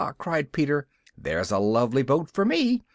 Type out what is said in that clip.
cried Peter, "there's a lovely boat for me!"